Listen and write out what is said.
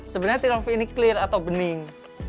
sebenarnya tear off ini clear atau bening